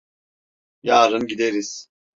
Yarın gideriz.